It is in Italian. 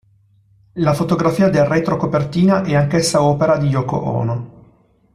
La fotografia del retro-copertina è anch'essa opera di Yoko Ono.